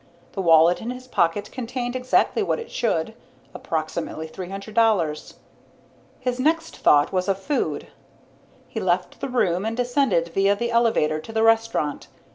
The wallet in his pocket contained exactly what it should, approximately three hundred dollars. His next thought was of food. He left the room and descended via the elevator to the restaurant.